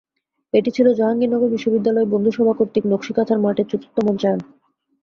এটি ছিল জাহাঙ্গীরনগর বিশ্ববিদ্যালয় বন্ধুসভা কর্তৃক নক্সী কাঁথার মাঠ-এর চতুর্থ মঞ্চায়ন।